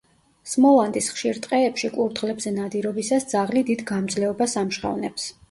სმოლანდის ხშირ ტყეებში კურდღლებზე ნადირობისას ძაღლი დიდ გამძლეობას ამჟღავნებს.